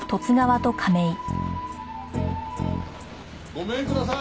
ごめんください。